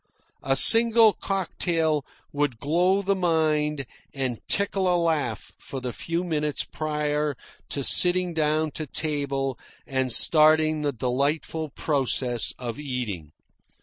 A single cocktail would glow the mind and tickle a laugh for the few minutes prior to sitting down to table and starting the delightful process of eating.